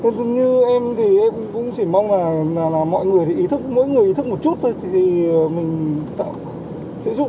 như em thì em cũng chỉ mong là mọi người thì ý thức mỗi người ý thức một chút thôi thì mình sẽ giúp